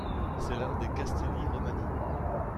C'est l'un des Castelli Romani.